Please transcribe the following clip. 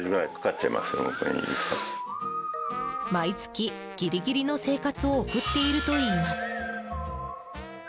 毎月ぎりぎりの生活を送っているといいます。